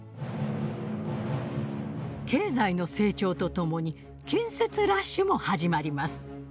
経済の成長と共に建設ラッシュも始まります。